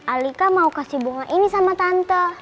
alika mau kasih bunga ini sama tante